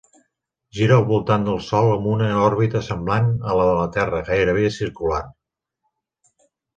Gira al voltant del sol amb una òrbita semblant a la de la Terra, gairebé circular.